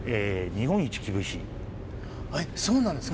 日本一厳しい？